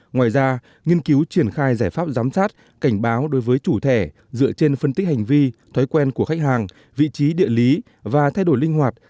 ngoài ra nghiên cứu triển khai giải pháp giám sát cảnh báo đối với chủ thẻ dựa trên phân tích hành vi thói quen của khách hàng vị trí địa lý và thay đổi linh hoạt